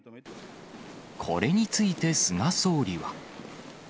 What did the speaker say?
これについて菅総理は。